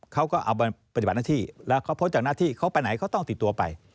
เขาก็เอาไปปฏิบัติหน้าที่แล้วเขาพ้นจากหน้าที่เขาไปไหนเขาต้องติดตัวไป